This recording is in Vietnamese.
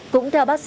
cũng theo bác sĩ